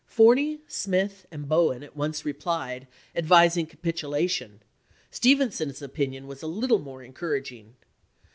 Forney, Smith, and Bowen at once re Ibid. plied, advising capitulation ; Stevenson's opinion pp/Si/m was little more encouraging.